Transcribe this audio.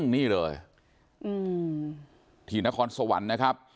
นี่เลยที่นครสวรรค์นะครับ